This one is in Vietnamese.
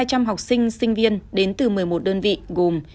cụ thể hai nghìn hai trăm linh học sinh sinh viên đến từ một mươi một đơn vị gồm